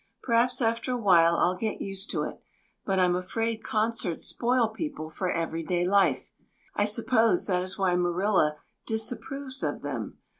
"Perhaps after a while I'll get used to it, but I'm afraid concerts spoil people for everyday life. I suppose that is why Marilla disapproves of them.